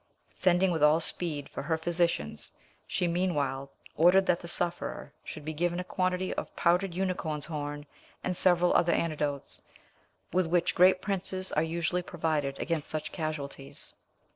Sending with all speed for her physicians, she, meanwhile, ordered that the sufferer should be given a quantity of powdered unicorn's horn and several other antidotes, with which great princes are usually provided against such casualties.